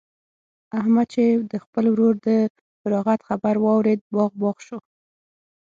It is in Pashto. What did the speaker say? احمد چې د خپل ورور د فراغت خبر واورېد؛ باغ باغ شو.